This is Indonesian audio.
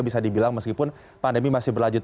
bisa dibilang meskipun pandemi masih berlanjut